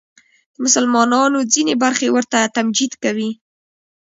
د مسلمانانو ځینې برخې ورته تمجید کوي